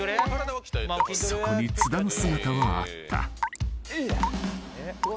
そこに津田の姿はあったうわ